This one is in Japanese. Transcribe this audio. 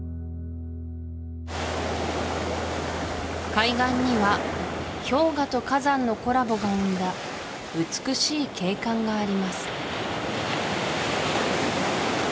海岸には氷河と火山のコラボが生んだ美しい景観があります